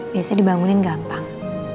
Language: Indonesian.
biasanya dibangunin gampang